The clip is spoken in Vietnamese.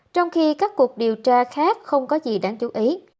trong khi các cuộc điều tra khác không có gì đáng chú ý